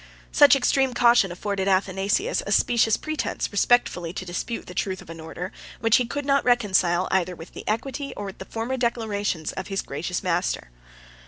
Such extreme caution afforded Athanasius a specious pretence respectfully to dispute the truth of an order, which he could not reconcile, either with the equity, or with the former declarations, of his gracious master.